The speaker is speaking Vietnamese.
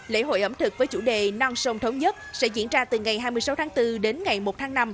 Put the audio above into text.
lễ hội ẩm thực với chủ đề non sông thống nhất sẽ diễn ra từ ngày hai mươi sáu tháng bốn đến ngày một tháng năm